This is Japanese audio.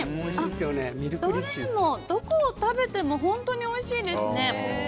どれも、どこを食べても本当においしいですね。